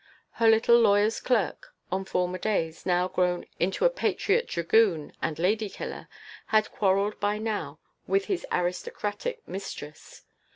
Her little lawyer's clerk of former days, now grown into a patriot dragoon and lady killer, had quarrelled by now with his aristocratic mistress.